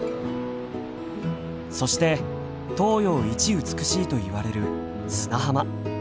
そして東洋一美しいといわれる砂浜。